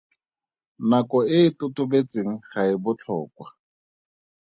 Nako e e totobetseng ga e botlhokwa.